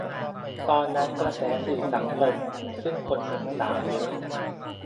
ตอนนั้นกระแสสื่อสังคม ซึ่งคนหนุ่มสาวเยอะ